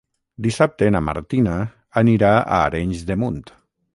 Dissabte na Martina anirà a Arenys de Munt.